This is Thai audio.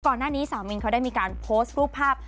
ก่อนหน้านี้สาวมินเขาได้มีการโพสต์รูปภาพ